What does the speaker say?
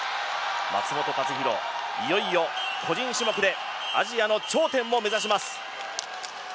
松元克央、いよいよ個人種目でアジアの頂点を目指します。